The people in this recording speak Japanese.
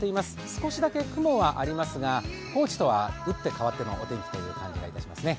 少しだけ雲はありますが、高知とは打って変わってのお天気という感じがいたしますね。